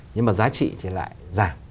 nhưng mà giá trị thì lại giảm